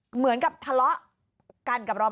เหมือนกับทะเลาะกันกับรอง